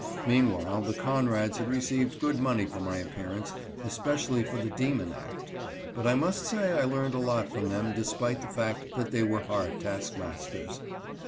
Meanwhile the Conrads had received good money for my appearance, especially for the "Demon Act." But I must say I learned a lot from them despite the fact that they were hard taskmasters.